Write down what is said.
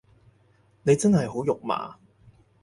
你真係好肉麻